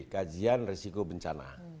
kajian risiko bencana